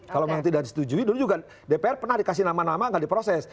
kalau memang tidak disetujui dulu juga dpr pernah dikasih nama nama nggak diproses